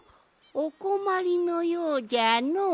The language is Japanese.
おこまりのようじゃのう。